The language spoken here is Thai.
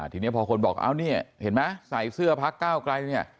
ทีนี้พอคนบอกเห็นไหมใส่เสื้อพักก้าวกลัย